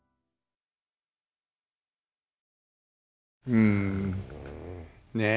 うん。ねえ。